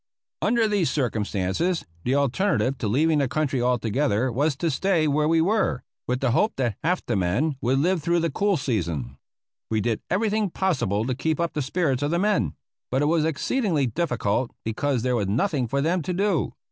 Under these circumstances the alternative to leaving the country altogether was to stay where we were, with the hope that half the men would live through to the cool season. We did everything possible to keep up the spirits of the men, but it was exceedingly difficult because there was nothing for them to do.